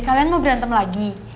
kalian mau berantem lagi